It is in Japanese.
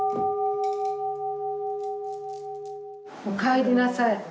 おかえりなさい。